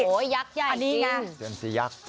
โอ้โหยักษ์ใยจริงยักษ์เซียมซียักษ์